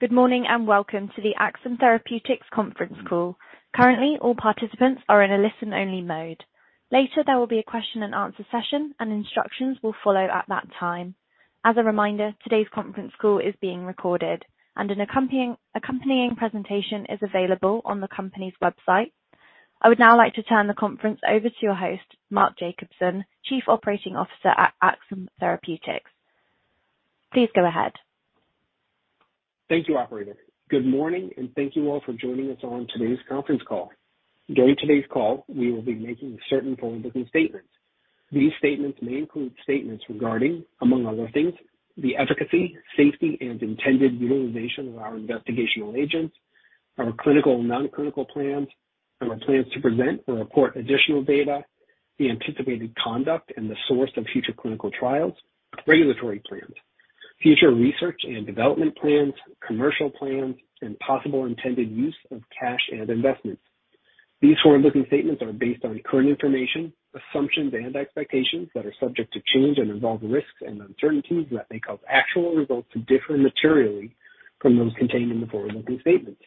Good morning, and welcome to the Axsome Therapeutics conference call. Currently, all participants are in a listen-only mode. Later, there will be a question-and-answer session, and instructions will follow at that time. As a reminder, today's conference call is being recorded, and an accompanying presentation is available on the company's website. I would now like to turn the conference over to your host, Mark Jacobson, Chief Operating Officer at Axsome Therapeutics. Please go ahead. Thank you, operator. Good morning, and thank you all for joining us on today's conference call. During today's call, we will be making certain forward-looking statements. These statements may include statements regarding, among other things, the efficacy, safety, and intended utilization of our investigational agents, our clinical non-clinical plans, and our plans to present or report additional data, the anticipated conduct and the source of future clinical trials, regulatory plans, future research and development plans, commercial plans, and possible intended use of cash and investments. These forward-looking statements are based on current information, assumptions, and expectations that are subject to change and involve risks and uncertainties that may cause actual results to differ materially from those contained in the forward-looking statements.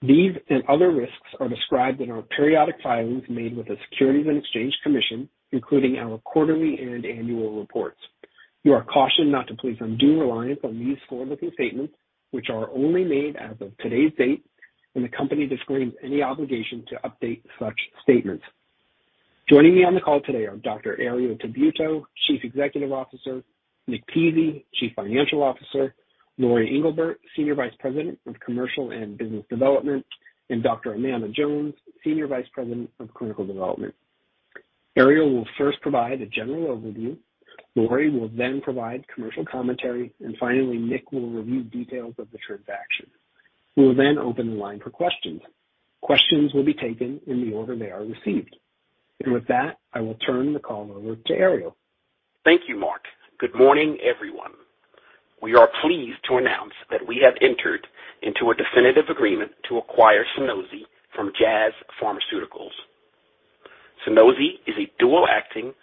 These and other risks are described in our periodic filings made with the Securities and Exchange Commission, including our quarterly and annual reports. You are cautioned not to place undue reliance on these forward-looking statements, which are only made as of today's date, and the company disclaims any obligation to update such statements. Joining me on the call today are Dr. Herriot Tabuteau, Chief Executive Officer, Nick Pizzie, Chief Financial Officer, Lori Englebert, Senior Vice President of Commercial and Business Development, and Dr. Amanda Jones, Senior Vice President of Clinical Development. Herriot will first provide a general overview. Lori will then provide commercial commentary, and finally, Nick will review details of the transaction. We will then open the line for questions. Questions will be taken in the order they are received. With that, I will turn the call over to Herriot. Thank you, Mark. Good morning, everyone. We are pleased to announce that we have entered into a definitive agreement to acquire Sunosi from Jazz Pharmaceuticals. Sunosi is a dual-acting dopamine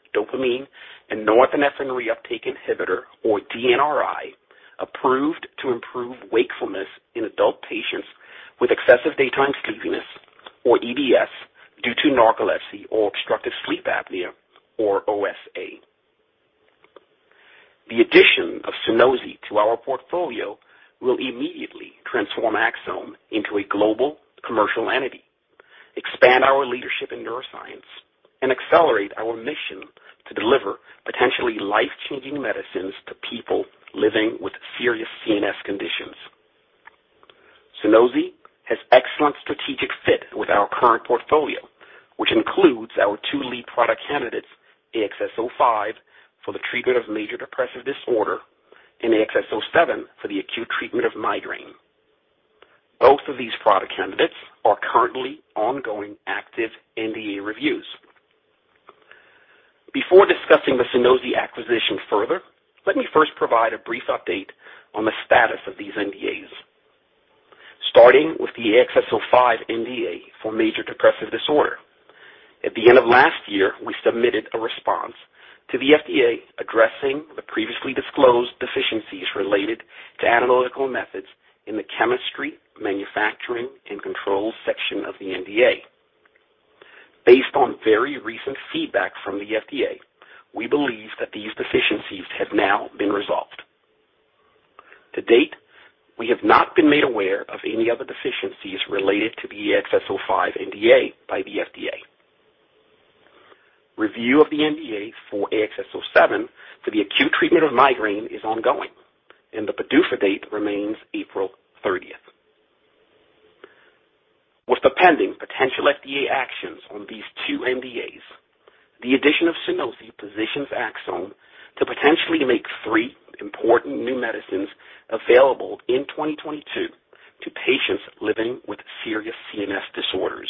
and norepinephrine reuptake inhibitor, or DNRI, approved to improve wakefulness in adult patients with excessive daytime sleepiness, or EDS, due to narcolepsy or obstructive sleep apnea, or OSA. The addition of Sunosi to our portfolio will immediately transform Axsome into a global commercial entity, expand our leadership in neuroscience, and accelerate our mission to deliver potentially life-changing medicines to people living with serious CNS conditions. Sunosi has excellent strategic fit with our current portfolio, which includes our two lead product candidates, AXS-05 for the treatment of major depressive disorder, and AXS-07 for the acute treatment of migraine. Both of these product candidates are currently ongoing active NDA reviews. Before discussing the Sunosi acquisition further, let me first provide a brief update on the status of these NDAs. Starting with the AXS-05 NDA for major depressive disorder. At the end of last year, we submitted a response to the FDA addressing the previously disclosed deficiencies related to analytical methods in the chemistry, manufacturing, and control section of the NDA. Based on very recent feedback from the FDA, we believe that these deficiencies have now been resolved. To date, we have not been made aware of any other deficiencies related to the AXS-05 NDA by the FDA. Review of the NDA for AXS-07 for the acute treatment of migraine is ongoing, and the PDUFA date remains April thirtieth. With the pending potential FDA actions on these two NDAs, the addition of Sunosi positions Axsome to potentially make three important new medicines available in 2022 to patients living with serious CNS disorders.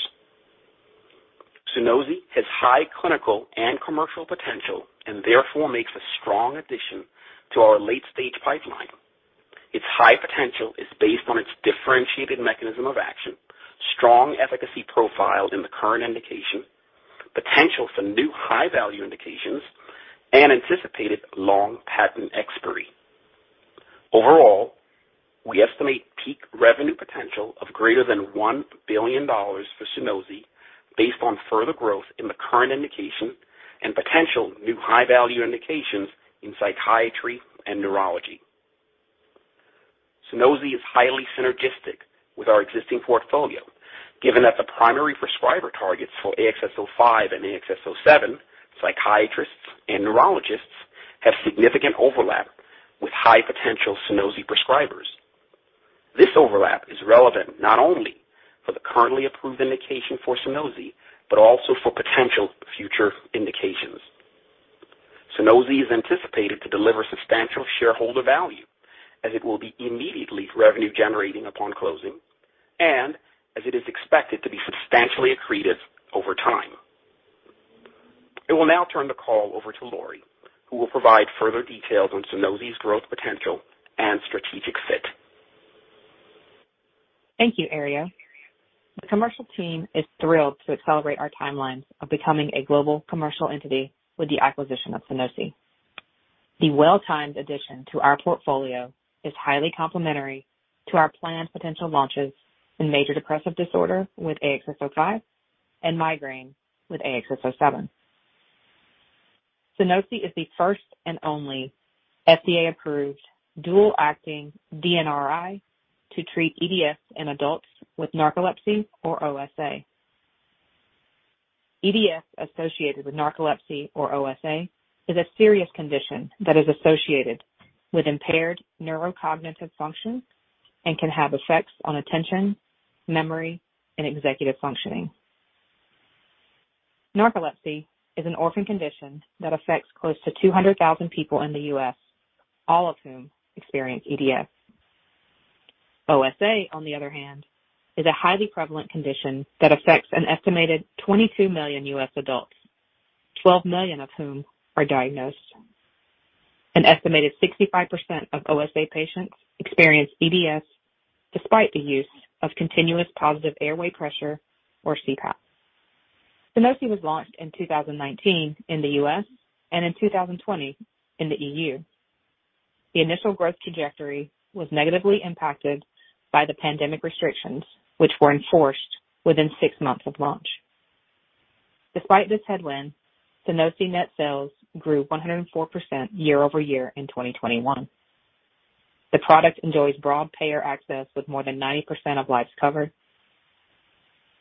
Sunosi has high clinical and commercial potential and therefore makes a strong addition to our late-stage pipeline. Its high potential is based on its differentiated mechanism of action, strong efficacy profile in the current indication, potential for new high-value indications, and anticipated long patent expiry. Overall, we estimate peak revenue potential of greater than $1 billion for Sunosi based on further growth in the current indication and potential new high-value indications in psychiatry and neurology. Sunosi is highly synergistic with our existing portfolio, given that the primary prescriber targets for AXS-05 and AXS-07, psychiatrists and neurologists, have significant overlap with high-potential Sunosi prescribers. This overlap is relevant not only for the currently approved indication for Sunosi, but also for potential future indications. Sunosi is anticipated to deliver substantial shareholder value as it will be immediately revenue generating upon closing and as it is expected to be substantially accretive over time. I will now turn the call over to Lori, who will provide further details on Sunosi's growth potential and strategic fit. Thank you, Herriot. The commercial team is thrilled to accelerate our timelines of becoming a global commercial entity with the acquisition of Sunosi. The well-timed addition to our portfolio is highly complementary to our planned potential launches in major depressive disorder with AXS-05 and migraine with AXS-07. Sunosi is the first and only FDA-approved dual-acting DNRI to treat EDS in adults with narcolepsy or OSA. EDS associated with narcolepsy or OSA is a serious condition that is associated with impaired neurocognitive function and can have effects on attention, memory, and executive functioning. Narcolepsy is an orphan condition that affects close to 200,000 people in the U.S., all of whom experience EDS. OSA, on the other hand, is a highly prevalent condition that affects an estimated 22 million U.S. adults, 12 million of whom are diagnosed. An estimated 65% of OSA patients experience EDS despite the use of continuous positive airway pressure or CPAP. Sunosi was launched in 2019 in the U.S. and in 2020 in the EU. The initial growth trajectory was negatively impacted by the pandemic restrictions, which were enforced within six months of launch. Despite this headwind, Sunosi net sales grew 104% year-over-year in 2021. The product enjoys broad payer access with more than 90% of lives covered.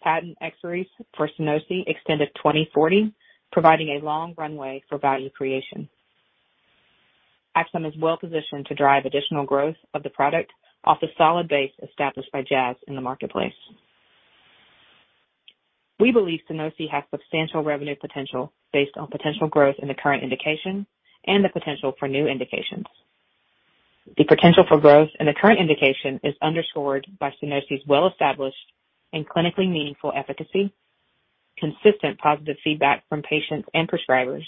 Patent expiries for Sunosi extended 2040, providing a long runway for value creation. Axsome is well-positioned to drive additional growth of the product off the solid base established by Jazz in the marketplace. We believe Sunosi has substantial revenue potential based on potential growth in the current indication and the potential for new indications. The potential for growth in the current indication is underscored by Sunosi's well-established and clinically meaningful efficacy, consistent positive feedback from patients and prescribers,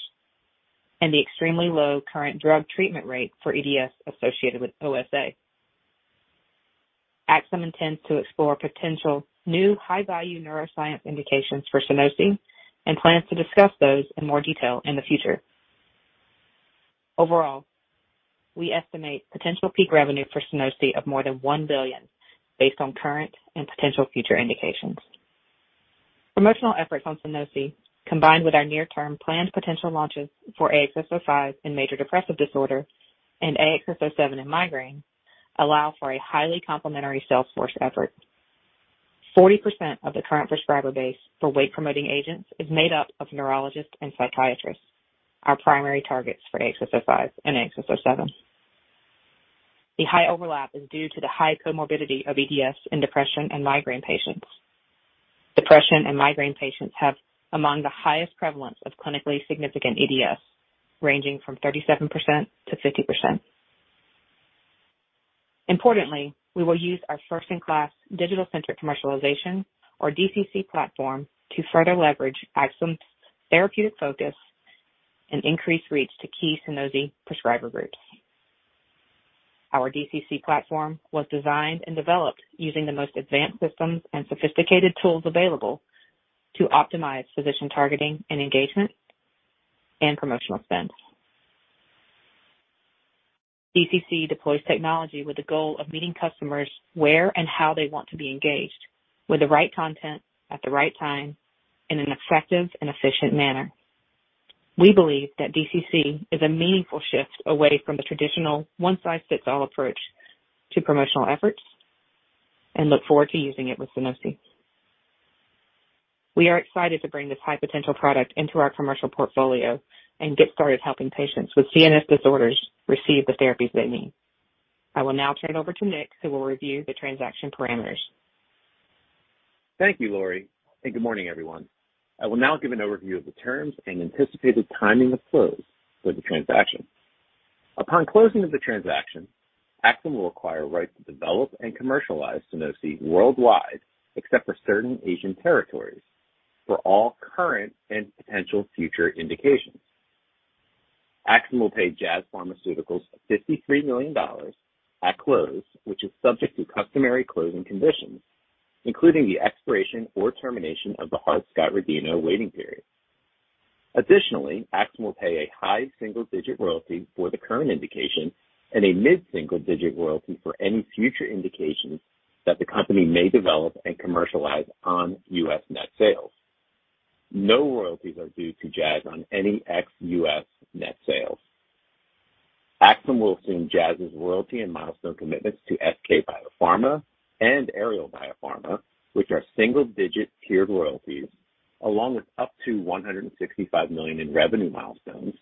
and the extremely low current drug treatment rate for EDS associated with OSA. Axsome intends to explore potential new high-value neuroscience indications for Sunosi and plans to discuss those in more detail in the future. Overall, we estimate potential peak revenue for Sunosi of more than $1 billion based on current and potential future indications. Promotional efforts on Sunosi, combined with our near-term planned potential launches for AXS-05 in major depressive disorder and AXS-07 in migraine allow for a highly complementary sales force effort. 40% of the current prescriber base for wake-promoting agents is made up of neurologists and psychiatrists, our primary targets for AXS-05 and AXS-07. The high overlap is due to the high comorbidity of EDS in depression and migraine patients. Depression and migraine patients have among the highest prevalence of clinically significant EDS, ranging from 37% to 50%. Importantly, we will use our first-in-class digital-centric commercialization or DCC platform to further leverage Axsome's therapeutic focus and increase reach to key Sunosi prescriber groups. Our DCC platform was designed and developed using the most advanced systems and sophisticated tools available to optimize physician targeting and engagement and promotional expense. DCC deploys technology with the goal of meeting customers where and how they want to be engaged with the right content at the right time in an effective and efficient manner. We believe that DCC is a meaningful shift away from the traditional one-size-fits-all approach to promotional efforts and look forward to using it with Sunosi. We are excited to bring this high-potential product into our commercial portfolio and get started helping patients with CNS disorders receive the therapies they need. I will now turn it over to Nick, who will review the transaction parameters. Thank you, Lori, and good morning, everyone. I will now give an overview of the terms and anticipated timing of close for the transaction. Upon closing of the transaction, Axsome will acquire rights to develop and commercialize Sunosi worldwide, except for certain Asian territories, for all current and potential future indications. Axsome will pay Jazz Pharmaceuticals $53 million at close, which is subject to customary closing conditions, including the expiration or termination of the Hart-Scott-Rodino waiting period. Additionally, Axsome will pay a high single-digit royalty for the current indication and a mid-single digit royalty for any future indications that the company may develop and commercialize on U.S. net sales. No royalties are due to Jazz on any ex-U.S. net sales. Axsome will assume Jazz's royalty and milestone commitments to SK Biopharmaceuticals and Aerial BioPharma, which are single-digit tiered royalties, along with up to $165 million in revenue milestones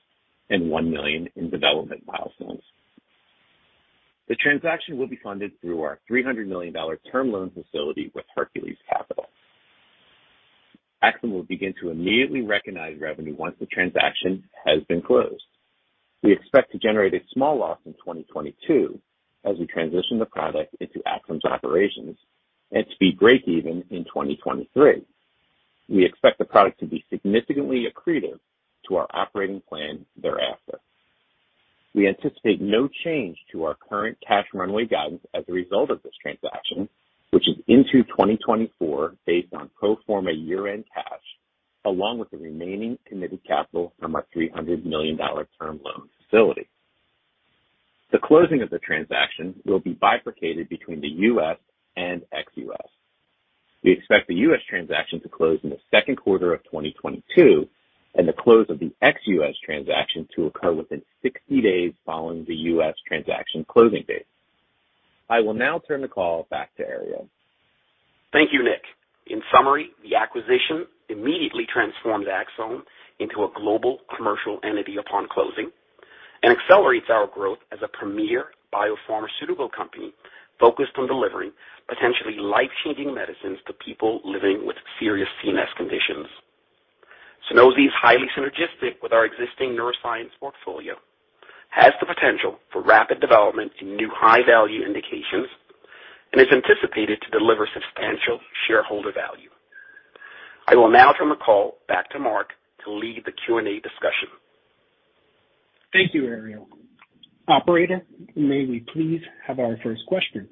and $1 million in development milestones. The transaction will be funded through our $300 million term loan facility with Hercules Capital. Axsome will begin to immediately recognize revenue once the transaction has been closed. We expect to generate a small loss in 2022 as we transition the product into Axsome's operations and to be breakeven in 2023. We expect the product to be significantly accretive to our operating plan thereafter. We anticipate no change to our current cash runway guidance as a result of this transaction, which is into 2024, based on pro forma year-end cash, along with the remaining committed capital from our $300 million term loan facility. The closing of the transaction will be bifurcated between the U.S. and ex-U.S. We expect the U.S. transaction to close in the second quarter of 2022 and the close of the ex-U.S. transaction to occur within 60 days following the U.S. transaction closing date. I will now turn the call back to Ariel. Thank you, Nick. In summary, the acquisition immediately transforms Axsome into a global commercial entity upon closing and accelerates our growth as a premier biopharmaceutical company focused on delivering potentially life-changing medicines to people living with serious CNS conditions. Sunosi is highly synergistic with our existing neuroscience portfolio, has the potential for rapid development in new high-value indications, and is anticipated to deliver substantial shareholder value. I will now turn the call back to Mark to lead the Q&A discussion. Thank you, Ariel. Operator, may we please have our first question?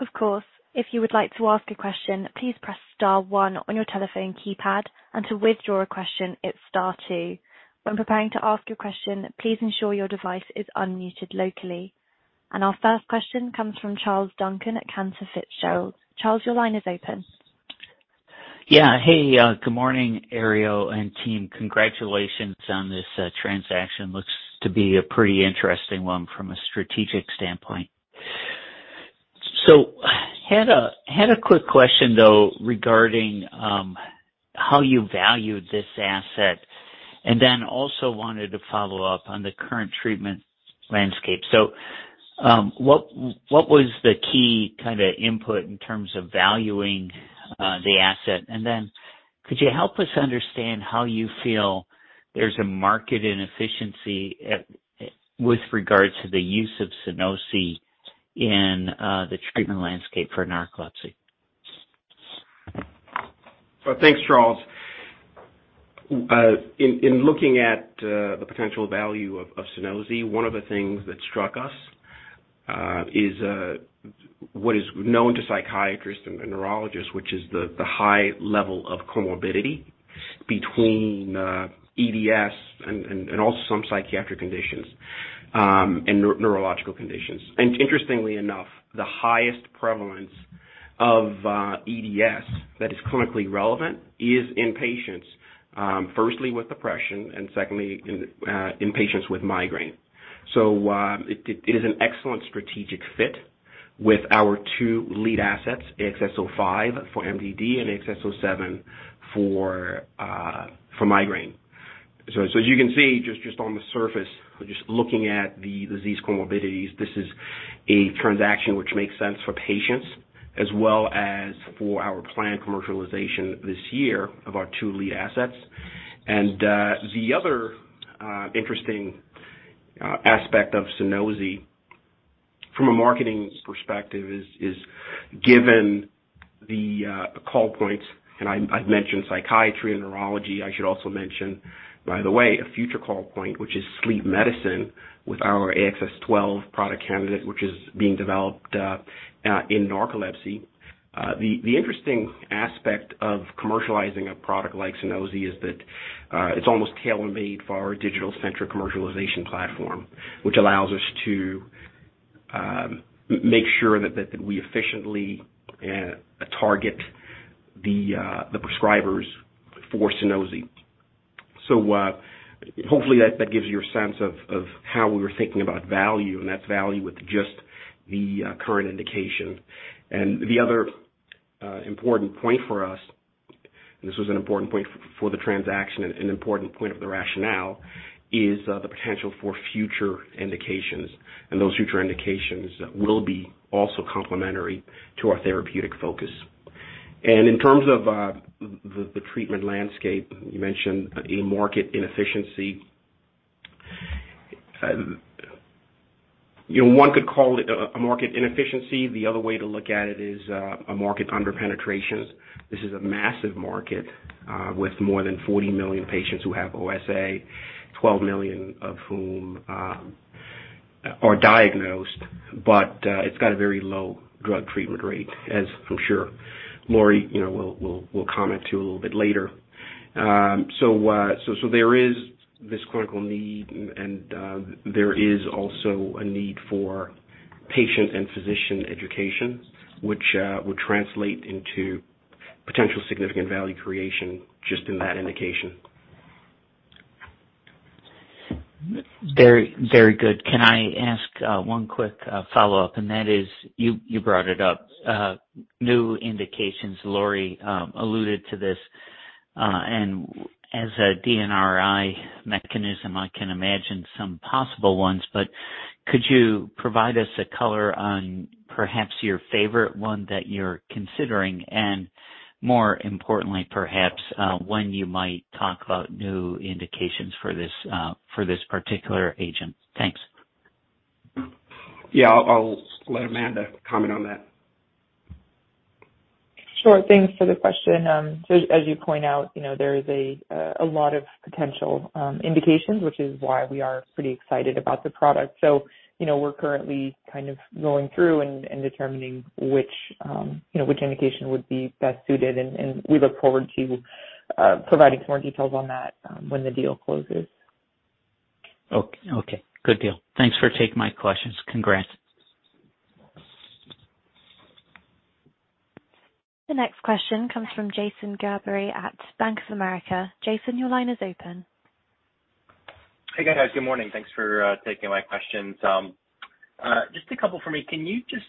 Of course. If you would like to ask a question, please press star one on your telephone keypad, and to withdraw a question, it's star two. When preparing to ask your question, please ensure your device is unmuted locally. Our first question comes from Charles Duncan at Cantor Fitzgerald. Charles, your line is open. Hey, good morning, Ariel and team. Congratulations on this transaction. Looks to be a pretty interesting one from a strategic standpoint. Had a quick question, though, regarding how you valued this asset, and then also wanted to follow up on the current treatment landscape. What was the key kinda input in terms of valuing the asset? And then could you help us understand how you feel there's a market inefficiency at with regards to the use of Sunosi in the treatment landscape for narcolepsy? Thanks, Charles. In looking at the potential value of Sunosi, one of the things that struck us is what is known to psychiatrists and the neurologists, which is the high level of comorbidity between EDS and also some psychiatric conditions and neurological conditions. Interestingly enough, the highest prevalence of EDS that is clinically relevant is in patients firstly with depression and secondly in patients with migraine. It is an excellent strategic fit with our two lead assets, AXS-05 for MDD and AXS-07 for migraine. As you can see, just on the surface, just looking at the disease comorbidities, this is a transaction which makes sense for patients as well as for our planned commercialization this year of our two lead assets. The other interesting aspect of Sunosi from a marketing perspective is given the call points, and I've mentioned psychiatry and neurology. I should also mention, by the way, a future call point, which is sleep medicine with our AXS-12 product candidate, which is being developed in narcolepsy. The interesting aspect of commercializing a product like Sunosi is that it's almost tailor-made for our digital-centric commercialization platform, which allows us to make sure that we efficiently target the prescribers for Sunosi. Hopefully that gives you a sense of how we were thinking about value, and that's value with just the current indication. The other important point for us, and this was an important point for the transaction and an important point of the rationale, is the potential for future indications, and those future indications will be also complementary to our therapeutic focus. In terms of the treatment landscape, you mentioned a market inefficiency. You know, one could call it a market inefficiency. The other way to look at it is a market underpenetration. This is a massive market with more than 40 million patients who have OSA, 12 million of whom are diagnosed, but it's got a very low drug treatment rate, as I'm sure Lori you know will comment on a little bit later. There is this clinical need and there is also a need for patient and physician education, which would translate into potential significant value creation just in that indication. Very, very good. Can I ask one quick follow-up? That is, you brought it up, new indications. Lori alluded to this. As a DNRI mechanism, I can imagine some possible ones. Could you provide us a color on perhaps your favorite one that you're considering? More importantly, perhaps, when you might talk about new indications for this, for this particular agent? Thanks. Yeah. I'll let Amanda comment on that. Sure. Thanks for the question. As you point out, you know, there is a lot of potential indications, which is why we are pretty excited about the product. You know, we're currently kind of going through and determining which, you know, which indication would be best suited, and we look forward to providing some more details on that, when the deal closes. Okay. Good deal. Thanks for taking my questions. Congrats. The next question comes from Jason Gerberry at Bank of America. Jason, your line is open. Hey, guys. Good morning. Thanks for taking my questions. Just a couple for me. Can you just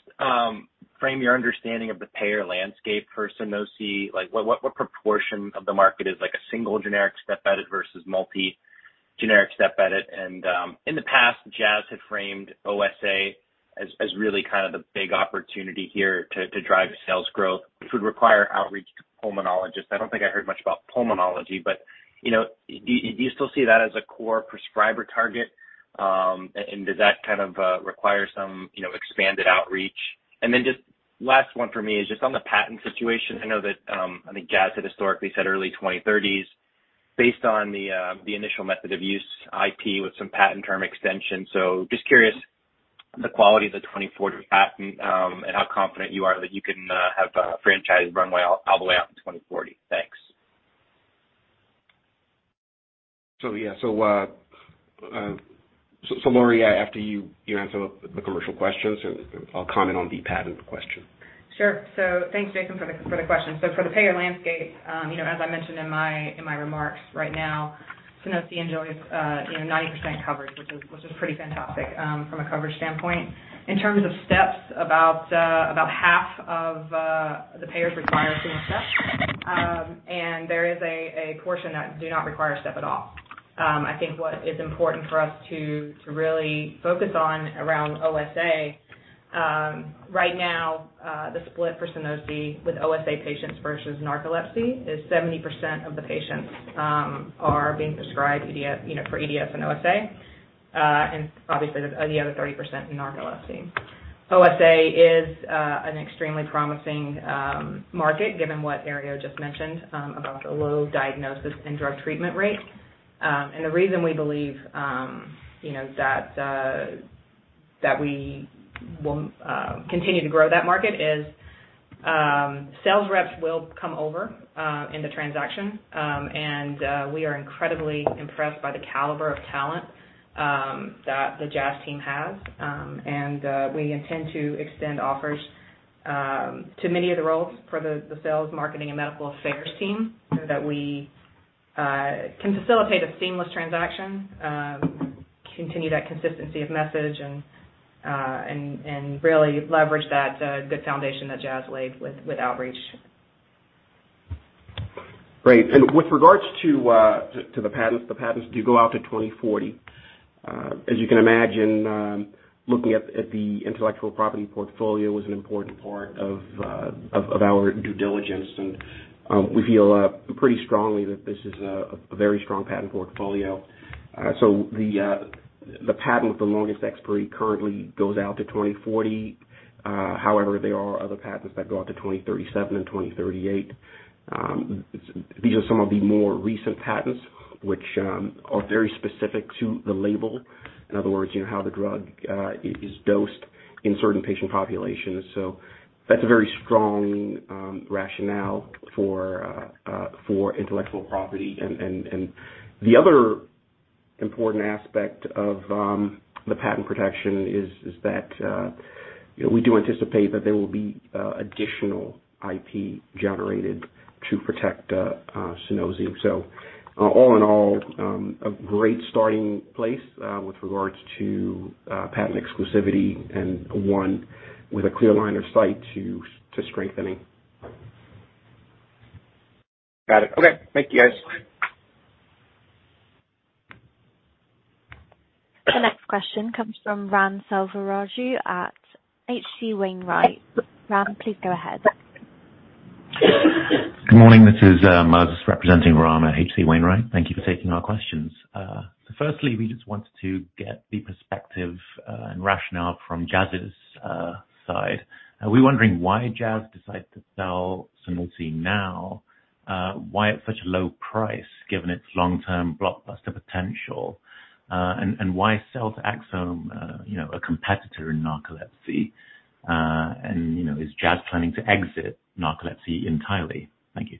frame your understanding of the payer landscape for Sunosi? Like, what proportion of the market is like a single generic step edit versus multi-generic step edit? In the past, Jazz had framed OSA as really kind of the big opportunity here to drive sales growth, which would require outreach to pulmonologists. I don't think I heard much about pulmonology, but, you know, do you still see that as a core prescriber target? Does that kind of require some, you know, expanded outreach? Then just last one for me is just on the patent situation. I know that, I think Jazz had historically said early 2030s based on the initial method of use IP with some patent term extensions. Just curious the quality of the 2040 patent, and how confident you are that you can have a franchise runway all the way out in 2040. Thanks. Yeah. Lori, after you answer the commercial questions, and I'll comment on the patent question. Sure. Thanks Jason for the question. For the payer landscape, you know, as I mentioned in my remarks right now, Sunosi enjoys, you know, 90% coverage, which is pretty fantastic from a coverage standpoint. In terms of steps, about half of the payers require single step. There is a portion that do not require a step at all. I think what is important for us to really focus on around OSA right now, the split for Sunosi with OSA patients versus narcolepsy is 70% of the patients are being prescribed EDS, you know, for EDS and OSA, and obviously the other 30% in narcolepsy. OSA is an extremely promising market, given what Ariel just mentioned about the low diagnosis and drug treatment rate. The reason we believe you know that we will continue to grow that market is sales reps will come over in the transaction. We are incredibly impressed by the caliber of talent that the Jazz team has. We intend to extend offers to many of the roles for the sales, marketing, and medical affairs team so that we can facilitate a seamless transaction, continue that consistency of message and really leverage that good foundation that Jazz laid with outreach. Great. With regards to the patents, the patents do go out to 2040. As you can imagine, looking at the intellectual property portfolio was an important part of our due diligence. We feel pretty strongly that this is a very strong patent portfolio. The patent with the longest expiry currently goes out to 2040. However, there are other patents that go out to 2037 and 2038. These are some of the more recent patents which are very specific to the label. In other words, you know, how the drug is dosed in certain patient populations. That's a very strong rationale for intellectual property. The other important aspect of the patent protection is that you know, we do anticipate that there will be additional IP generated to protect Sunosi. All in all, a great starting place with regards to patent exclusivity and one with a clear line of sight to strengthening. Got it. Okay. Thank you, guys. The next question comes from Ram Selvaraju at H.C. Wainwright. Ram, please go ahead. Good morning. This is Marz representing Ram at H.C. Wainwright. Thank you for taking our questions. Firstly, we just wanted to get the perspective and rationale from Jazz's side. We're wondering why Jazz decided to sell Sunosi now, why at such a low price given its long-term blockbuster potential, and why sell to Axsome, you know, a competitor in narcolepsy? You know, is Jazz planning to exit narcolepsy entirely? Thank you.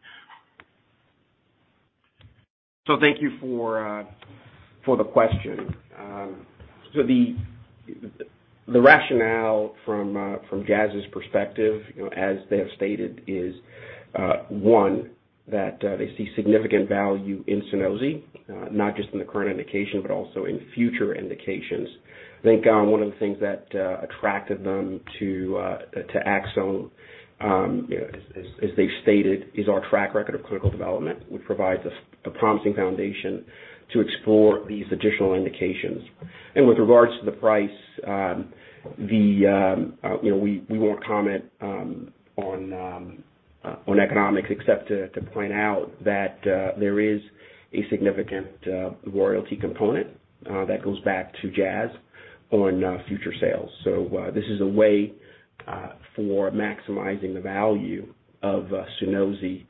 Thank you for the question. The rationale from Jazz's perspective, you know, as they have stated, is one, that they see significant value in Sunosi, not just in the current indication, but also in future indications. I think one of the things that attracted them to Axsome, you know, as they've stated, is our track record of clinical development, which provides a promising foundation to explore these additional indications. With regards to the price, you know, we won't comment on economics except to point out that there is a significant royalty component that goes back to Jazz on future sales. This is a way for maximizing the value of Sunosi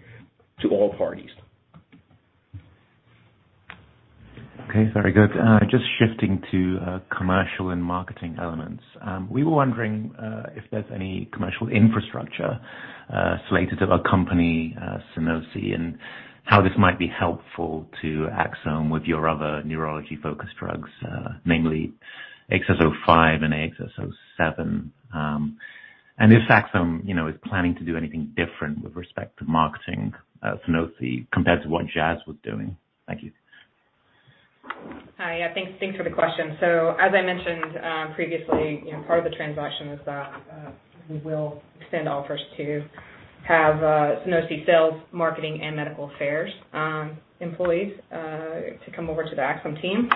to all parties. Okay, very good. Just shifting to commercial and marketing elements. We were wondering if there's any commercial infrastructure slated to accompany Sunosi and how this might be helpful to Axsome with your other neurology-focused drugs, namely AXS-05 and AXS-07. If Axsome, you know, is planning to do anything different with respect to marketing Sunosi compared to what Jazz was doing. Thank you. Hi. Yeah. Thanks for the question. As I mentioned previously, you know, part of the transaction is that we will extend offers to have Sunosi sales, marketing, and medical affairs employees to come over to the Axsome team.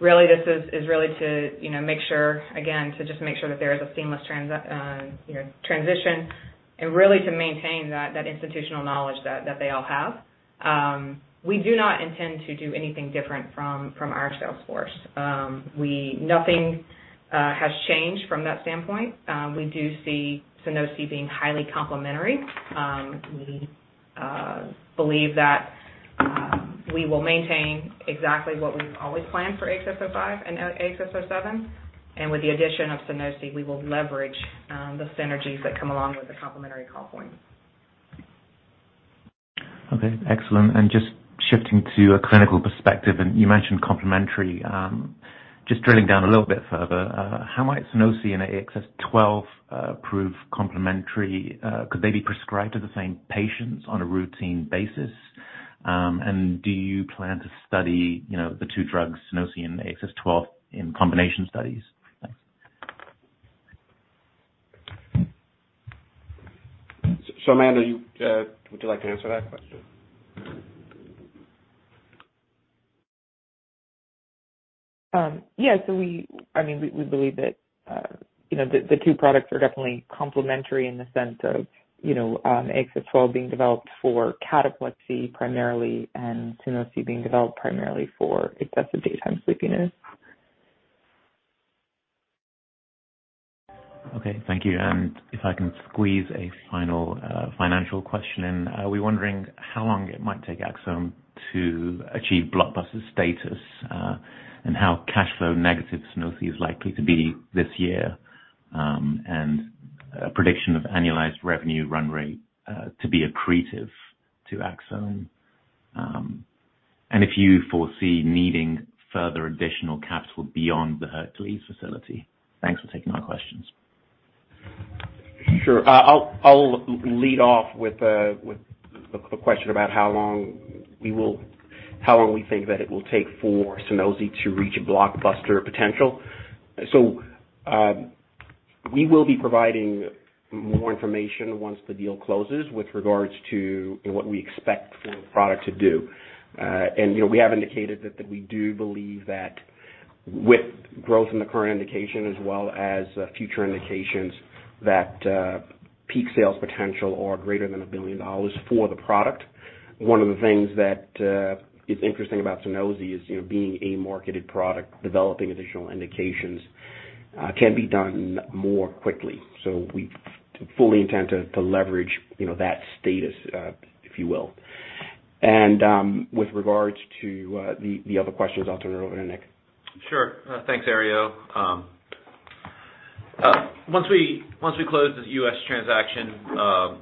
Really, this is really to, you know, make sure, again, to just make sure that there is a seamless transition and really to maintain that institutional knowledge that they all have. We do not intend to do anything different from our sales force. Nothing has changed from that standpoint. We do see Sunosi being highly complementary. We believe that we will maintain exactly what we've always planned for AXS-05 and AXS-07. With the addition of Sunosi, we will leverage the synergies that come along with the complementary call points. Okay, excellent. Just shifting to a clinical perspective, you mentioned complementary. Just drilling down a little bit further, how might Sunosi and AXS-12 prove complementary? Could they be prescribed to the same patients on a routine basis? Do you plan to study, you know, the two drugs, Sunosi and AXS-12, in combination studies? Thanks. Amanda, you, would you like to answer that question? Yes. I mean, we believe that, you know, the two products are definitely complementary in the sense of, you know, AXS-12 being developed for cataplexy primarily and Sunosi being developed primarily for excessive daytime sleepiness. Okay, thank you. If I can squeeze a final financial question in. We're wondering how long it might take Axsome to achieve blockbuster status, and how cash flow negative Sunosi is likely to be this year, and a prediction of annualized revenue run rate, to be accretive to Axsome. If you foresee needing further additional capital beyond the Hercules facility. Thanks for taking our questions. Sure. I'll lead off with a question about how long we think that it will take for Sunosi to reach a blockbuster potential. We will be providing more information once the deal closes with regards to what we expect for the product to do. You know, we have indicated that we do believe that with growth in the current indication as well as future indications, peak sales potential are greater than $1 billion for the product. One of the things that is interesting about Sunosi is, you know, being a marketed product, developing additional indications can be done more quickly. We fully intend to leverage, you know, that status, if you will. With regards to the other questions, I'll turn it over to Nick. Sure. Thanks, Herriot. Once we close the U.S. transaction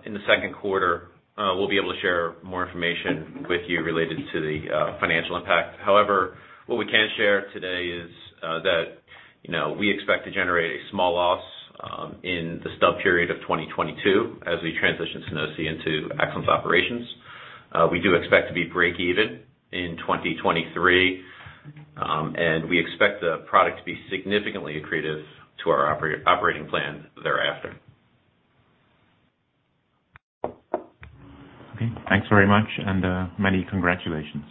in the second quarter, we'll be able to share more information with you related to the financial impact. However, what we can share today is that, you know, we expect to generate a small loss in the stub period of 2022 as we transition Sunosi into Axsome's operations. We do expect to be break even in 2023. We expect the product to be significantly accretive to our operating plan thereafter. Okay. Thanks very much and many congratulations.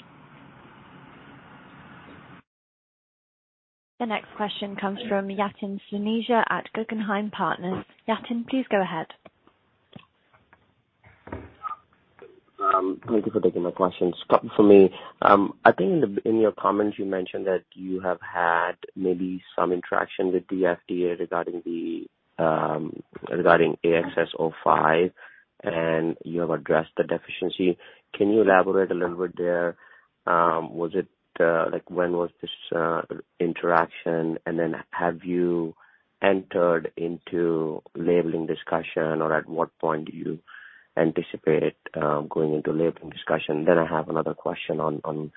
The next question comes from Yatin Suneja at Guggenheim Securities. Yatin, please go ahead. Thank you for taking my questions. For me, I think in your comments you mentioned that you have had maybe some interaction with the FDA regarding AXS-05, and you have addressed the deficiency. Can you elaborate a little bit there? Was it like when was this interaction? And then have you entered into labeling discussion or at what point do you anticipate going into labeling discussion? I have another question on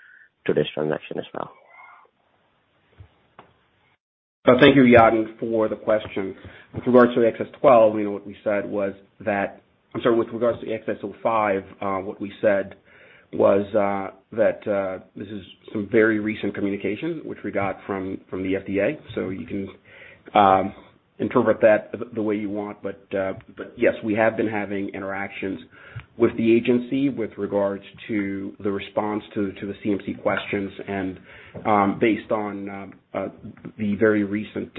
today's transaction as well. Thank you, Yatin, for the question. With regards to AXS-12, what we said was that. I'm sorry, with regards to AXS-05, what we said was that this is some very recent communication which we got from the FDA. You can interpret that the way you want. yes, we have been having interactions with the agency with regards to the response to the CMC questions. based on the very recent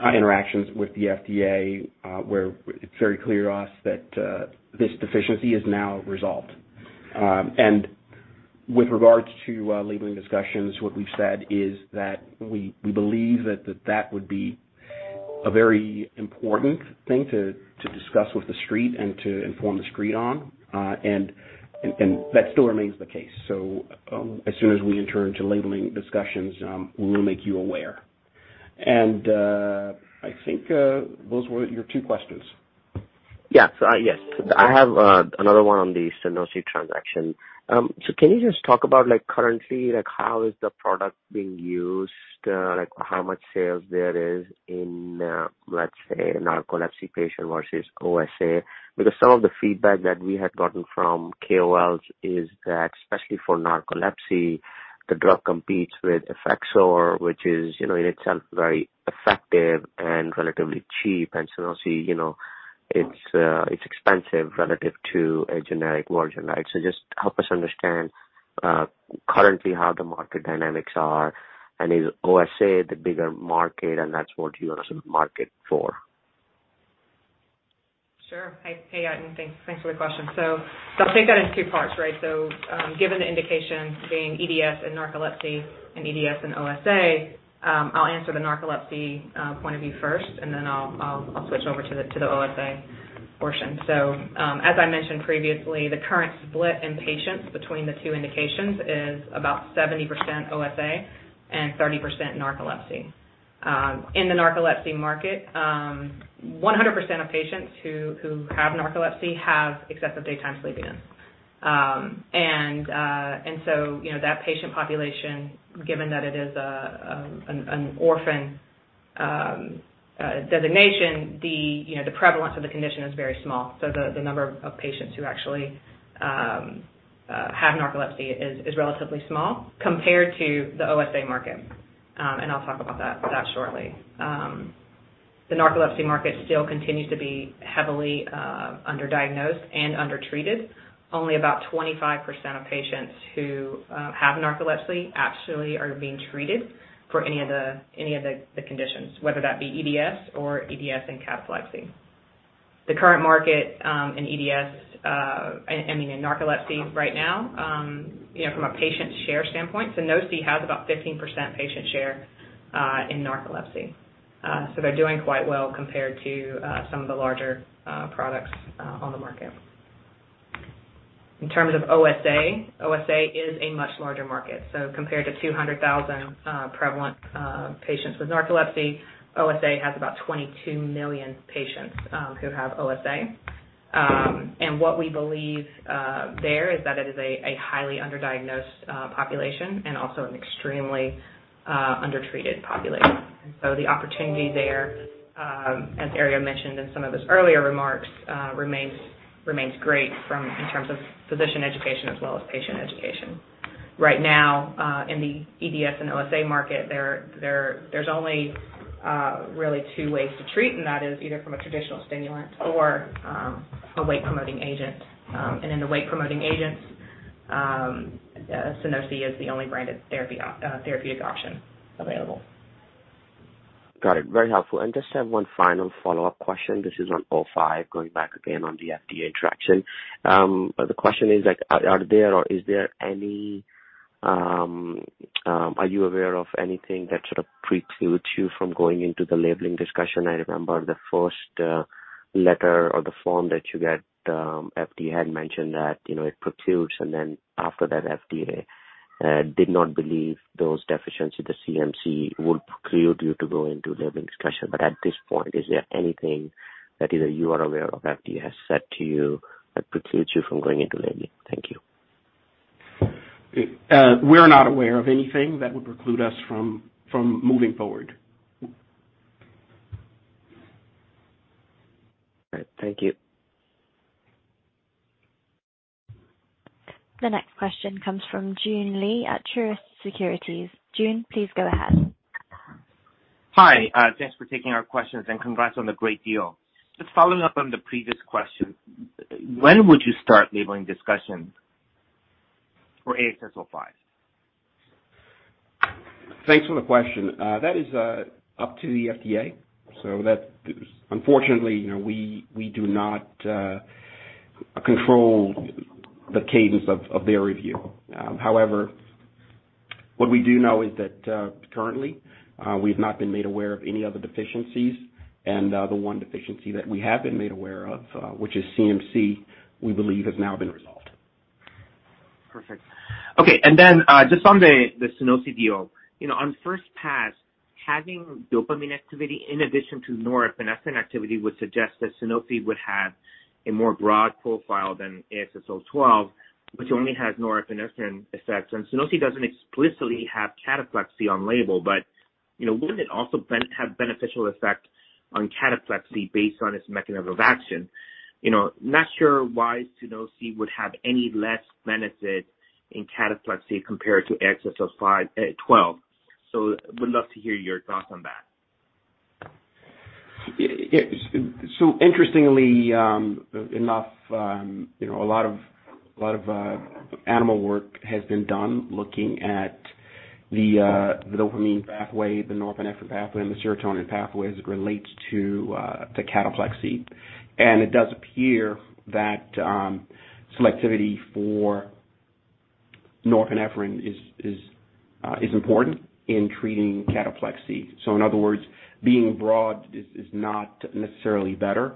interactions with the FDA, where it's very clear to us that this deficiency is now resolved. with regards to labeling discussions, what we've said is that we believe that that would be a very important thing to discuss with the street and to inform the street on. and that still remains the case. As soon as we enter into labeling discussions, we will make you aware. I think those were your two questions. Yes. I have another one on the Sunosi transaction. Can you just talk about like currently, like how is the product being used? Like how much sales there is in, let's say narcolepsy patient versus OSA? Because some of the feedback that we had gotten from KOLs is that especially for narcolepsy, the drug competes with Effexor, which is, you know, in itself very effective and relatively cheap. And Sunosi, you know, it's expensive relative to a generic version. Right. Just help us understand currently how the market dynamics are and is OSA the bigger market and that's what you also market for. Sure. Hey, Yatin. Thanks for the question. I'll take that in two parts, right. Given the indication being EDS and narcolepsy and EDS and OSA, I'll answer the narcolepsy point of view first, and then I'll switch over to the OSA portion. As I mentioned previously, the current split in patients between the two indications is about 70% OSA and 30% narcolepsy. In the narcolepsy market, 100% of patients who have narcolepsy have excessive daytime sleepiness. You know, that patient population, given that it is an orphan designation, the prevalence of the condition is very small. The number of patients who actually have narcolepsy is relatively small compared to the OSA market. I'll talk about that shortly. The narcolepsy market still continues to be heavily underdiagnosed and undertreated. Only about 25% of patients who have narcolepsy actually are being treated for any of the conditions, whether that be EDS or EDS and cataplexy. The current market in narcolepsy right now, you know, from a patient share standpoint, Sunosi has about 15 patient share in narcolepsy. They're doing quite well compared to some of the larger products on the market. In terms of OSA is a much larger market. Compared to 200,000 prevalent patients with narcolepsy, OSA has about 22 million patients who have OSA. What we believe there is that it is a highly underdiagnosed population and also an extremely undertreated population. The opportunity there, as Ariel mentioned in some of his earlier remarks, remains great in terms of physician education as well as patient education. Right now, in the EDS and OSA market, there is only really two ways to treat, and that is either from a traditional stimulant or a wake-promoting agent. In the wake-promoting agents, Sunosi is the only branded therapeutic option available. Got it. Very helpful. Just have one final follow-up question. This is on O five, going back again on the FDA interaction. The question is like, are there or is there any, are you aware of anything that sort of precludes you from going into the labeling discussion? I remember the first letter or the form that you get, FDA had mentioned that, you know, it precludes and then after that FDA did not believe those deficiencies, the CMC would preclude you to go into labeling discussion. At this point, is there anything that either you are aware of or FDA has said to you that precludes you from going into labeling? Thank you. We're not aware of anything that would preclude us from moving forward. All right. Thank you. The next question comes from Joon Lee at Truist Securities. June, please go ahead. Hi. Thanks for taking our questions, and congrats on the great deal. Just following up on the previous question, when would you start labeling discussion for AXS-05? Thanks for the question. That is up to the FDA. That's unfortunately, you know, we do not control the cadence of their review. However, what we do know is that currently we've not been made aware of any other deficiencies and the one deficiency that we have been made aware of, which is CMC, we believe has now been resolved. Perfect. Okay. Then, just on the Sunosi deal. You know, on first pass, having dopamine activity in addition to norepinephrine activity would suggest that Sunosi would have a more broad profile than AXS-12, which only has norepinephrine effects. Sunosi doesn't explicitly have cataplexy on label, but, you know, wouldn't it also have beneficial effect on cataplexy based on its mechanism of action? You know, not sure why Sunosi would have any less benefit in cataplexy compared to AXS-05, twelve. Would love to hear your thoughts on that. Yeah. Interestingly, enough, you know, a lot of animal work has been done looking at the dopamine pathway, the norepinephrine pathway, and the serotonin pathway as it relates to cataplexy. It does appear that selectivity for norepinephrine is important in treating cataplexy. In other words, being broad is not necessarily better.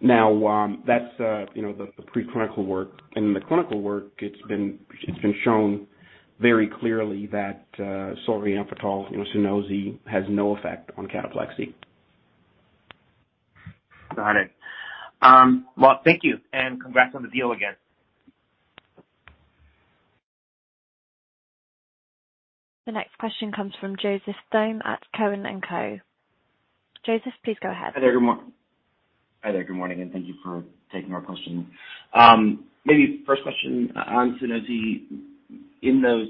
Now, that's the preclinical work. In the clinical work, it's been shown very clearly that solriamfetol, you know, Sunosi, has no effect on cataplexy. Got it. Well, thank you and congrats on the deal again. The next question comes from Joseph Stringer at Cowen and Company. Joseph, please go ahead. Hi there. Good morning, and thank you for taking our question. Maybe first question on Sunosi. In those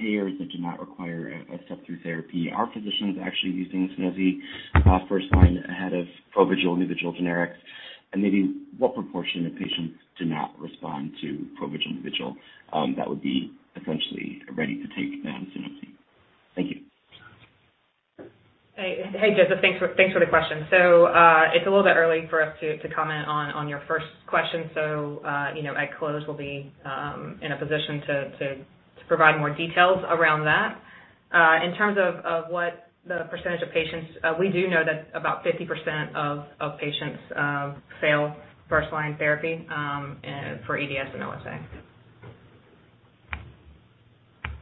payers that do not require a step therapy, are physicians actually using Sunosi first line ahead of Provigil, Nuvigil generics? Maybe what proportion of patients do not respond to Provigil, Nuvigil that would be essentially ready to take the Sunosi? Thank you. Hey, Joseph. Thanks for the question. It's a little bit early for us to comment on your first question. You know, at close we'll be in a position to provide more details around that. In terms of what the percentage of patients, we do know that about 50% of patients for EDS and OSA.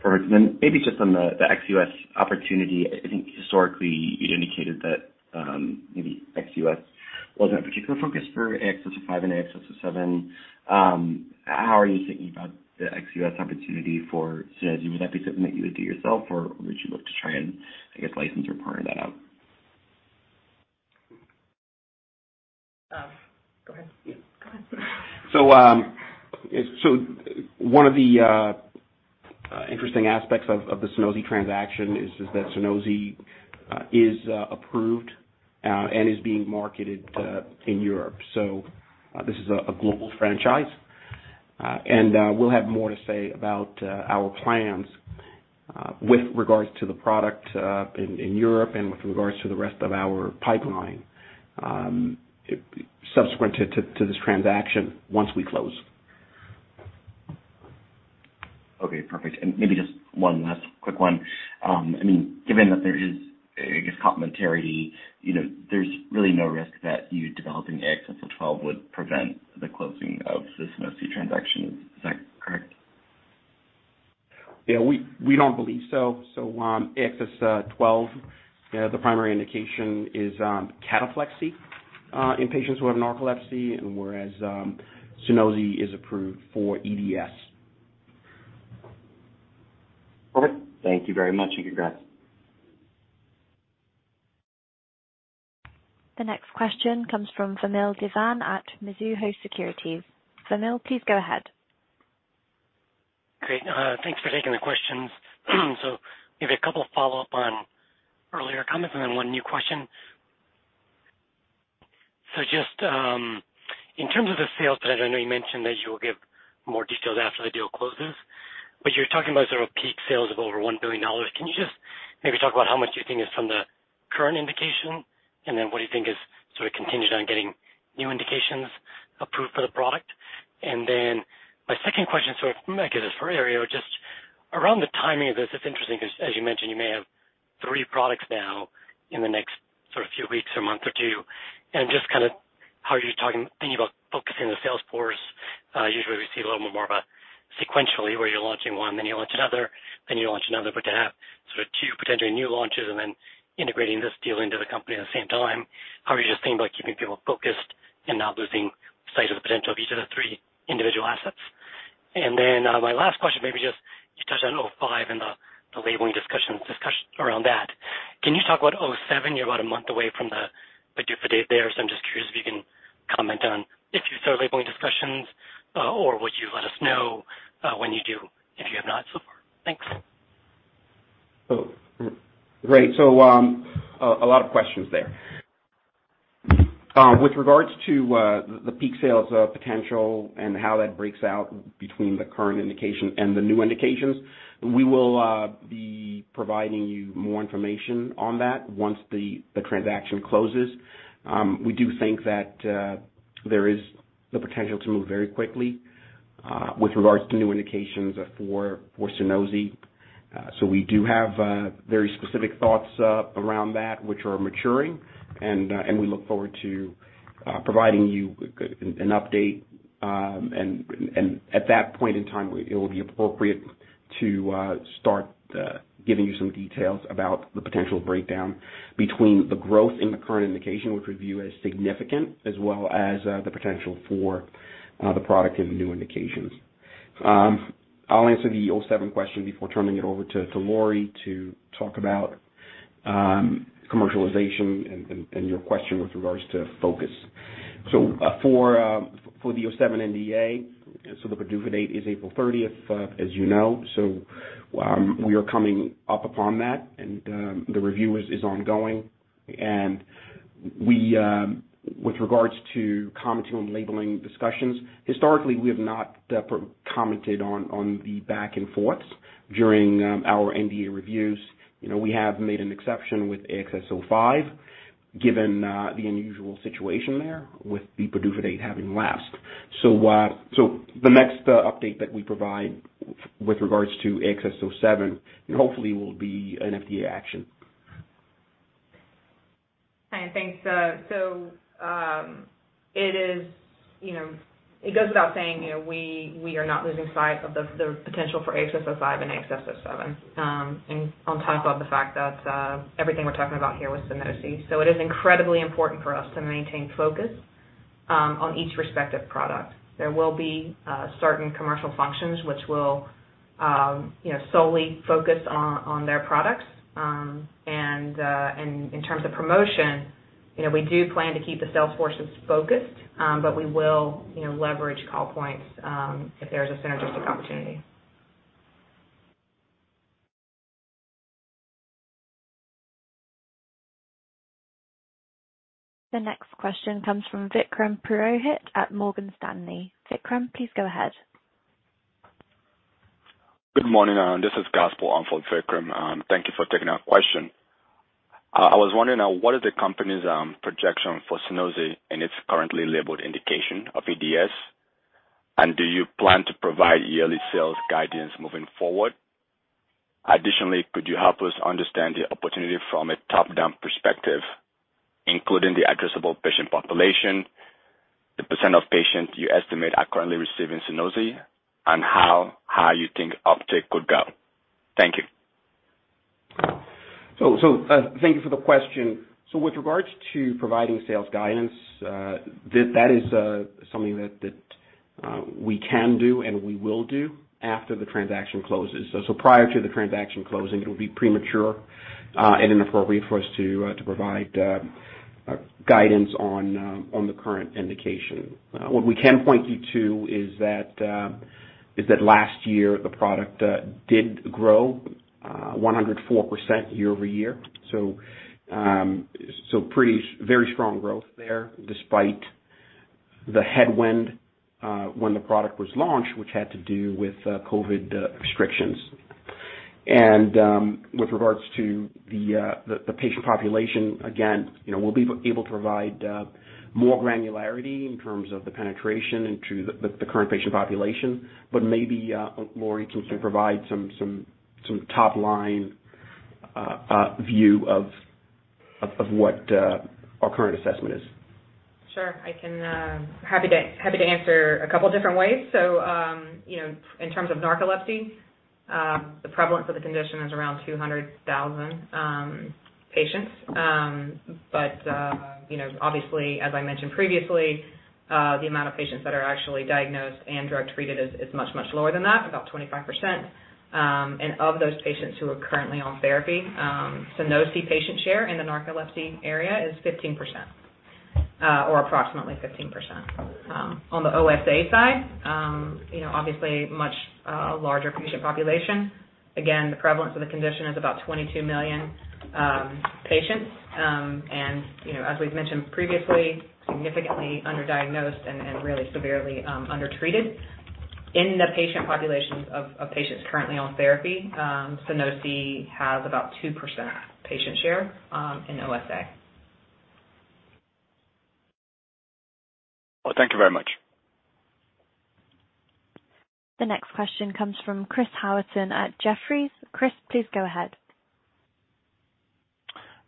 Perfect. Maybe just on the ex-US opportunity. I think historically you'd indicated that maybe ex-US wasn't a particular focus for AXS-05 and AXS-07. How are you thinking about the ex-US opportunity for Sunosi? Would that be something that you would do yourself, or would you look to try and, I guess, license or partner that out? Go ahead. Yeah. Go ahead. One of the interesting aspects of the Sunosi transaction is that Sunosi is approved and is being marketed in Europe. This is a global franchise. We'll have more to say about our plans with regards to the product in Europe and with regards to the rest of our pipeline subsequent to this transaction once we close. Okay, perfect. Maybe just one last quick one. I mean, given that there is, I guess, complementarity, you know, there's really no risk that you developing AXS-12 would prevent the closing of the Sunosi transaction. Is that correct? Yeah, we don't believe so. AXS-012, the primary indication is cataplexy in patients who have narcolepsy, and whereas Sunosi is approved for EDS. Perfect. Thank you very much, and congrats. The next question comes from Vamil Divan at Mizuho Securities. Vamil, please go ahead. Great. Thanks for taking the questions. Maybe a couple follow-up on earlier comments and then one new question. In terms of the sales plan, I know you mentioned that you will give more details after the deal closes, but you're talking about sort of peak sales of over $1 billion. Can you just maybe talk about how much you think is from the current indication, and then what do you think is sort of contingent on getting new indications approved for the product? My second question, sort of maybe this is for Herriot, just around the timing of this, it's interesting 'cause as you mentioned, you may have 3 products now in the next sort of few weeks or month or 2. Just kinda how are you thinking about focusing the sales force? Usually we see a little more about sequentially where you're launching one, then you launch another, then you launch another. To have sort of two potentially new launches and then integrating this deal into the company at the same time, how are you just thinking about keeping people focused and not losing sight of the potential of each of the three individual assets? My last question, maybe just you touched on O five and the labeling discussions around that. Can you talk about O seven? You're about a month away from the PDUFA date there. So I'm just curious if you can comment on if you've started labeling discussions, or would you let us know when you do if you have not so far? Thanks. Great. A lot of questions there. With regards to the peak sales potential and how that breaks out between the current indication and the new indications, we will be providing you more information on that once the transaction closes. We do think that there is the potential to move very quickly with regards to new indications for Sunosi. We do have very specific thoughts around that which are maturing, and we look forward to providing you an update. At that point in time, it will be appropriate to start giving you some details about the potential breakdown between the growth in the current indication, which we view as significant, as well as the potential for the product in new indications. I'll answer the AXS-07 question before turning it over to Lori to talk about commercialization and your question with regards to focus. For the AXS-07 NDA, the PDUFA date is April 30, as you know. We are coming up upon that and the review is ongoing. With regards to commenting on labeling discussions, historically, we have not commented on the back and forth during our NDA reviews, you know, we have made an exception with AXS-05 given the unusual situation there with bupropion having lapsed. The next update that we provide with regards to AXS-07 hopefully will be an FDA action. Okay. Thanks. It goes without saying we are not losing sight of the potential for AXS-05 and AXS-07, and on top of the fact that everything we're talking about here with Sunosi, it is incredibly important for us to maintain focus on each respective product. There will be certain commercial functions which will solely focus on their products. In terms of promotion, we do plan to keep the sales forces focused, but we will leverage call points if there's a synergistic opportunity. The next question comes from Vikram Purohit at Morgan Stanley. Vikram, please go ahead. Good morning. This is Gausia on for Vikram. Thank you for taking our question. I was wondering, what are the company's projection for Sunosi in its currently labeled indication of EDS? And do you plan to provide yearly sales guidance moving forward? Additionally, could you help us understand the opportunity from a top-down perspective, including the addressable patient population, the percent of patients you estimate are currently receiving Sunosi, and how you think uptick could go? Thank you. Thank you for the question. With regards to providing sales guidance, that is something that we can do and we will do after the transaction closes. Prior to the transaction closing, it would be premature and inappropriate for us to provide guidance on the current indication. What we can point you to is that last year the product did grow 104% year-over-year. Very strong growth there despite the headwind when the product was launched, which had to do with COVID restrictions. With regards to the patient population, again, you know, we'll be able to provide more granularity in terms of the penetration into the current patient population, but maybe Lori can provide some top line view of what our current assessment is. Sure, I can. Happy to answer a couple different ways. You know, in terms of narcolepsy, the prevalence of the condition is around 200,000 patients. You know, obviously, as I mentioned previously, the amount of patients that are actually diagnosed and drug treated is much lower than that, about 25%. Of those patients who are currently on therapy, Sunosi patient share in the narcolepsy area is 15%, or approximately 15%. On the OSA side, you know, obviously much larger patient population. Again, the prevalence of the condition is about 22 million patients. You know, as we've mentioned previously, significantly underdiagnosed and really severely undertreated. In the patient populations of patients currently on therapy, Sunosi has about 2% patient share in OSA. Well, thank you very much. The next question comes from Chris Howerton at Jefferies. Chris, please go ahead.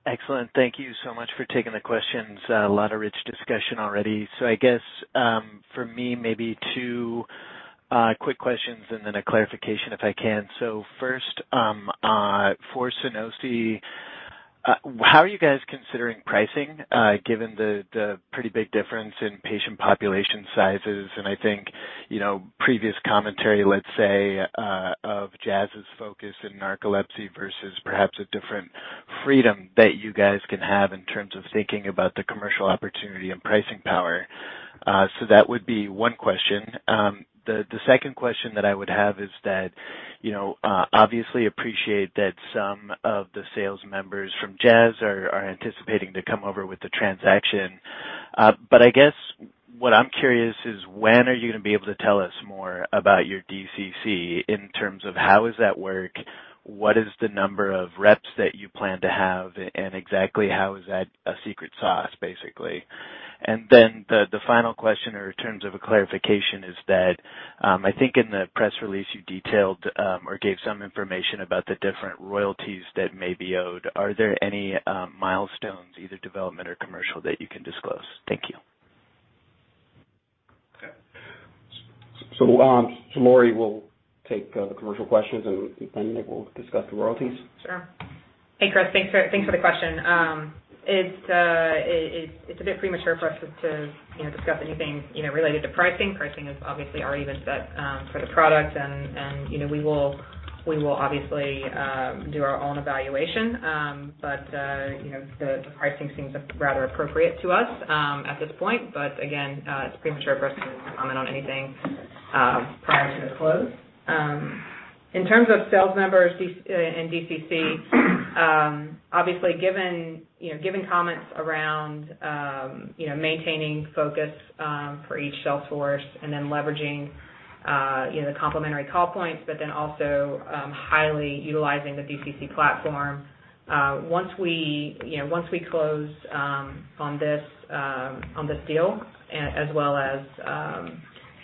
Excellent. Thank you so much for taking the questions. A lot of rich discussion already. I guess, for me, maybe two quick questions and then a clarification if I can. First, for Sunosi, how are you guys considering pricing, given the the pretty big difference in patient population sizes and I think, you know, previous commentary, let's say, of Jazz's focus in narcolepsy versus perhaps a different freedom that you guys can have in terms of thinking about the commercial opportunity and pricing power. That would be one question. The second question that I would have is that, you know, obviously appreciate that some of the sales members from Jazz are anticipating to come over with the transaction. I guess what I'm curious is when are you gonna be able to tell us more about your DCC in terms of how does that work? What is the number of reps that you plan to have, and exactly how is that a secret sauce, basically? Then the final question or in terms of a clarification is that, I think in the press release you detailed or gave some information about the different royalties that may be owed. Are there any milestones, either development or commercial, that you can disclose? Thank you. Lori will take the commercial questions, and Nick will discuss the royalties. Sure. Hey, Chris. Thanks for the question. It's a bit premature for us to you know discuss anything you know related to pricing. Pricing is obviously already been set for the product and you know we will obviously do our own evaluation. But you know the pricing seems rather appropriate to us at this point. Again, it's premature for us to comment on anything prior to the close. In terms of sales numbers and DCC obviously given you know comments around you know maintaining focus for each sales force and then leveraging you know the complementary call points but then also highly utilizing the DCC platform. Once we, you know, close on this deal as well as,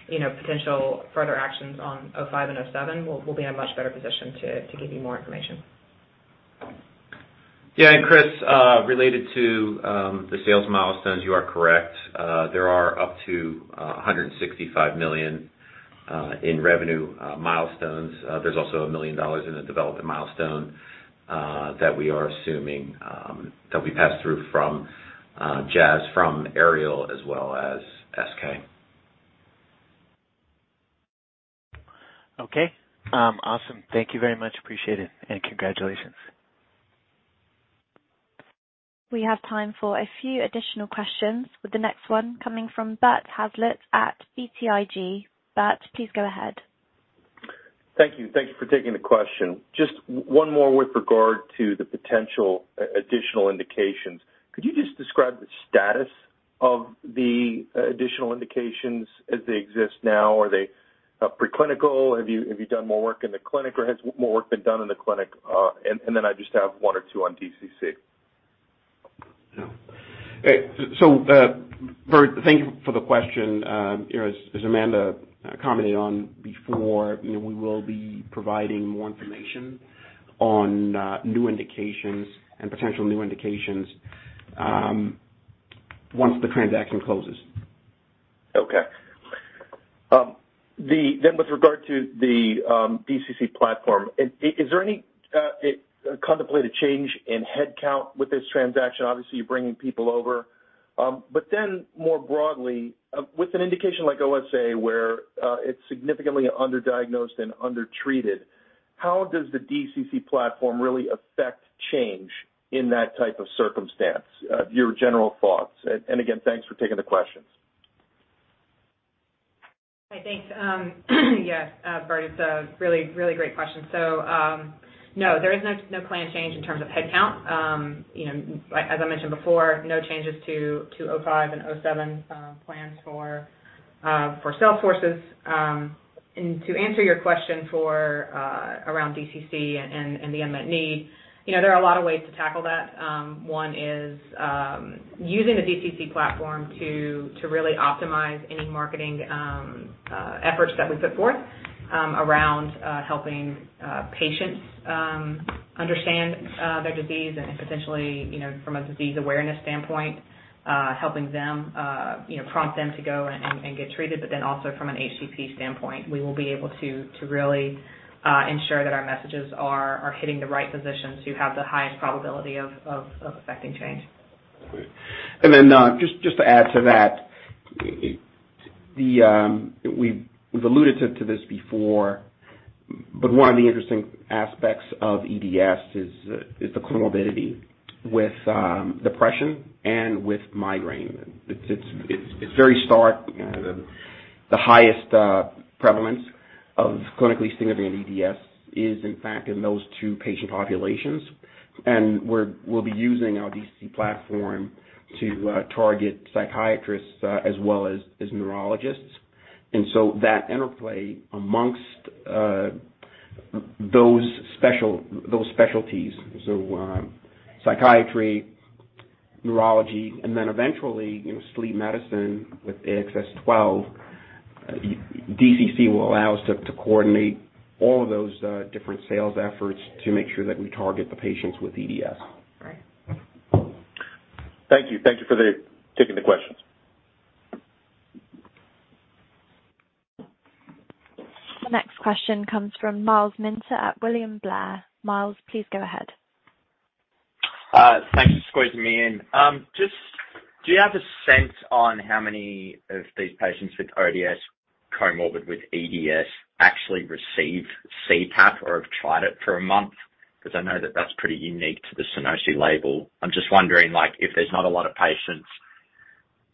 you know, potential further actions on O five and O seven, we'll be in a much better position to give you more information. Yeah. Chris, related to the sales milestones, you are correct. There are up to $165 million in revenue milestones. There's also $1 million in the development milestone that we are assuming that we pass through from Jazz from Aerial as well as SK. Okay. Awesome. Thank you very much. Appreciate it, and congratulations. We have time for a few additional questions, with the next one coming from Bert Hazlett at BTIG. Bert, please go ahead. Thank you. Thank you for taking the question. Just one more with regard to the potential additional indications. Could you just describe the status of the additional indications as they exist now? Are they preclinical? Have you done more work in the clinic or has more work been done in the clinic? I just have one or two on DCC. Yeah. Bert, thank you for the question. You know, as Amanda commented on before, you know, we will be providing more information on new indications and potential new indications once the transaction closes. Okay. Then with regard to the DCC platform, is there any contemplated change in headcount with this transaction? Obviously, you're bringing people over. More broadly, with an indication like OSA where it's significantly underdiagnosed and undertreated, how does the DCC platform really affect change in that type of circumstance? Your general thoughts. And again, thanks for taking the questions. Okay, thanks. Yes, Bert, it's a really great question. No plan change in terms of headcount. You know, as I mentioned before, no changes to O five and O seven plans for sales forces. To answer your question around DCC and the unmet need, you know, there are a lot of ways to tackle that. One is using the DCC platform to really optimize any marketing efforts that we put forth around helping patients understand their disease and potentially, you know, from a disease awareness standpoint, helping them, you know, prompt them to go and get treated, but then also from an HCP standpoint, we will be able to really ensure that our messages are hitting the right physicians who have the highest probability of affecting change. Great. Just to add to that, we've alluded to this before, but one of the interesting aspects of EDS is the comorbidity with depression and with migraine. It's very stark. The highest prevalence of clinically significant EDS is in fact in those two patient populations. We'll be using our DCC platform to target psychiatrists as well as neurologists. That interplay among those specialties, psychiatry, neurology, and then eventually, you know, sleep medicine with AXS-12, DCC will allow us to coordinate all of those different sales efforts to make sure that we target the patients with EDS. Right. Thank you. Thank you for taking the questions. The next question comes from Myles Minter at William Blair. Miles, please go ahead. Thanks for squeezing me in. Just do you have a sense on how many of these patients with OSA comorbid with EDS actually receive CPAP or have tried it for a month? Because I know that that's pretty unique to the Sunosi label. I'm just wondering, like, if there's not a lot of patients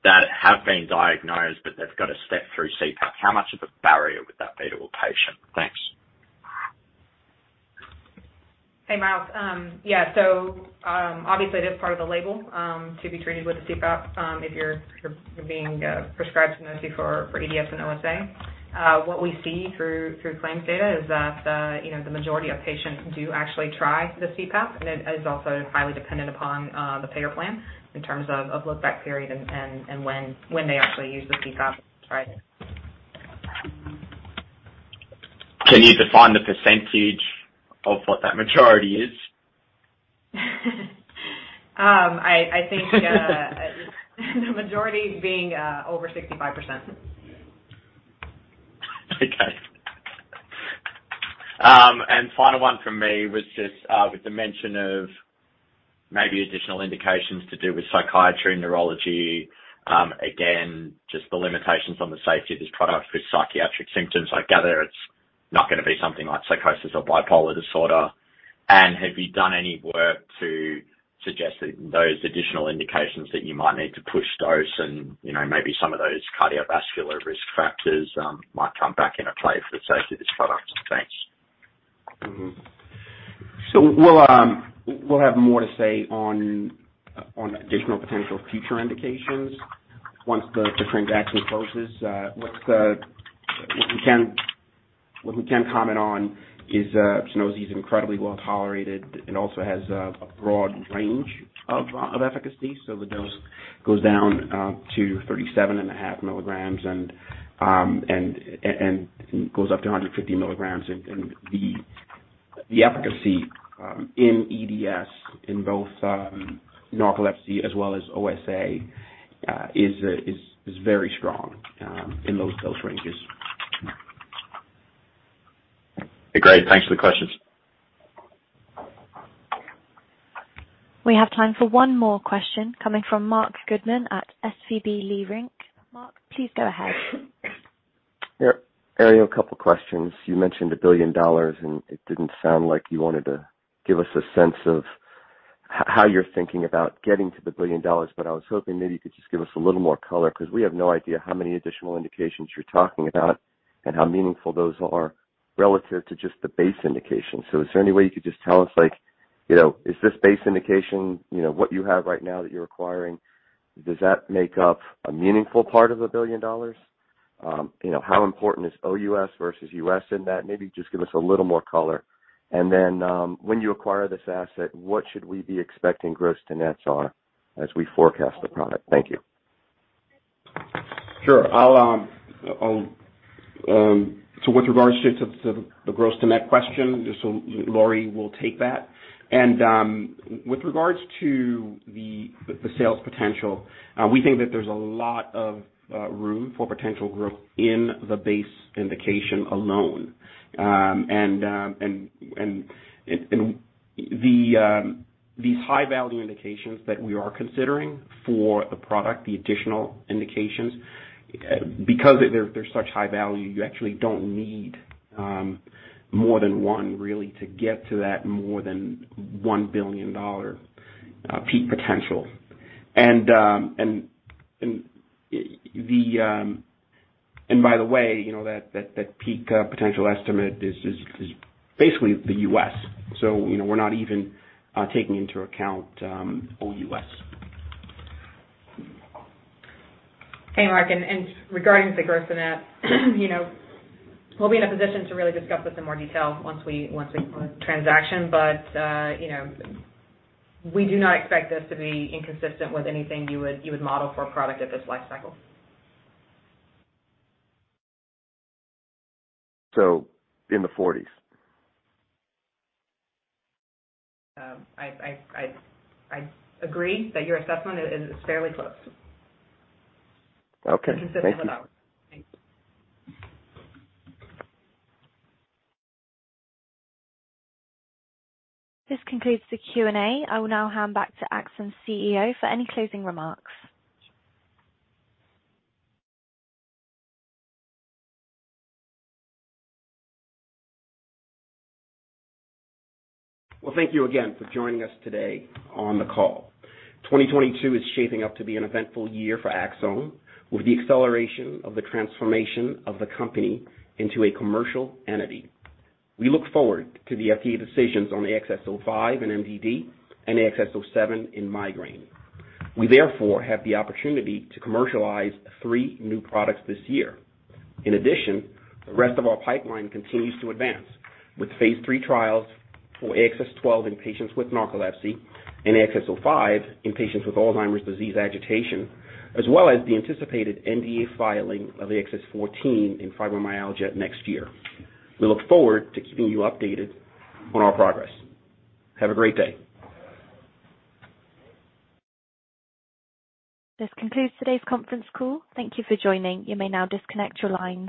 that have been diagnosed, but they've got to step through CPAP, how much of a barrier would that be to a patient? Thanks. Hey, Miles. Yeah. Obviously, it is part of the label to be treated with the CPAP if you're being prescribed Sunosi for EDS and OSA. What we see through claims data is that you know, the majority of patients do actually try the CPAP, and it is also highly dependent upon the payer plan in terms of lookback period and when they actually use the CPAP to try it. Can you define the percentage of what that majority is? I think the majority being over 65%. Okay. Final one from me was just with the mention of maybe additional indications to do with psychiatry and neurology, again, just the limitations on the safety of this product with psychiatric symptoms. I gather it's not gonna be something like psychosis or bipolar disorder. Have you done any work to suggest that those additional indications that you might need to push dose and, you know, maybe some of those cardiovascular risk factors, might come back into play for the safety of this product? Thanks. So we'll have more to say on additional potential future indications once the transaction closes. What we can comment on is Sunosi is incredibly well-tolerated. It also has a broad range of efficacy, so the dose goes down to 37.5 milligrams and goes up to 150 milligrams. The efficacy in EDS in both narcolepsy as well as OSA is very strong in those dose ranges. Great. Thanks for the questions. We have time for one more question coming from Marc Goodman at SVB Leerink. Marc, please go ahead. Yeah. Ariel, a couple questions. You mentioned $1 billion, and it didn't sound like you wanted to give us a sense of how you're thinking about getting to the $1 billion. I was hoping maybe you could just give us a little more color, because we have no idea how many additional indications you're talking about and how meaningful those are relative to just the base indication. Is there any way you could just tell us, like, you know, is this base indication, you know, what you have right now that you're acquiring, does that make up a meaningful part of $1 billion? You know, how important is OUS versus U.S. in that? Maybe just give us a little more color. Then, when you acquire this asset, what should we be expecting gross-to-net on as we forecast the product? Thank you. Sure. With regards to the gross-to-net question, Lori will take that. With regards to the sales potential, we think that there's a lot of room for potential growth in the base indication alone and these high value indications that we are considering for the product, the additional indications, because they're such high value, you actually don't need more than one really to get to that more than $1 billion peak potential. By the way, you know, that peak potential estimate is basically the U.S. You know, we're not even taking into account OUS. Hey, Marc. Regarding the gross-to-net, you know, we'll be in a position to really discuss this in more detail once we close the transaction. You know, we do not expect this to be inconsistent with anything you would model for a product at this life cycle. In the forties? I agree that your assessment is fairly close. Okay. Thank you. Consistent with ours. Thanks. This concludes the Q&A. I will now hand back to Axsome's CEO for any closing remarks. Well, thank you again for joining us today on the call. 2022 is shaping up to be an eventful year for Axsome, with the acceleration of the transformation of the company into a commercial entity. We look forward to the FDA decisions on AXS-05 and MDD and AXS-07 in migraine. We therefore have the opportunity to commercialize three new products this year. In addition, the rest of our pipeline continues to advance with phase III trials for AXS-12 in patients with narcolepsy and AXS-05 in patients with Alzheimer's disease agitation, as well as the anticipated NDA filing of AXS-14 in fibromyalgia next year. We look forward to keeping you updated on our progress. Have a great day. This concludes today's conference call. Thank you for joining. You may now disconnect your lines.